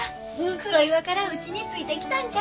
黒岩からうちについて来たんじゃ。